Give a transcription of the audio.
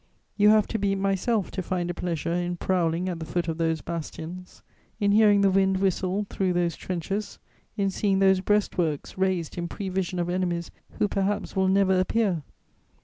You have to be myself to find a pleasure in prowling at the foot of those bastions, in hearing the wind whistle through those trenches, in seeing those breastworks raised in prevision of enemies who perhaps will never appear.